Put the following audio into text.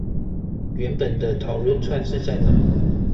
原本的討論串是在哪？